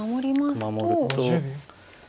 守ると。